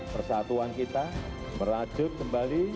persatuan kita merajut kembali